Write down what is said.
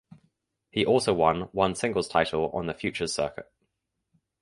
He also won one singles title on the Futures circuit.